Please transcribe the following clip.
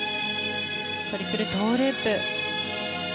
トリプルトウループ。